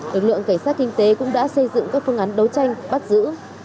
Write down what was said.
lực lượng cảnh sát kinh tế cũng đã xây dựng các phương án đấu tranh bắt giữ